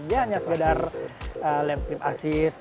dia hanya sekadar lane trip assist